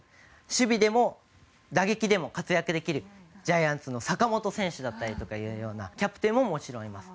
守備でも打撃でも活躍できるジャイアンツの坂本選手だったりとかいうようなキャプテンももちろんいます。